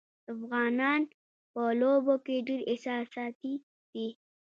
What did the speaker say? افغانان په لوبو کې ډېر احساساتي دي.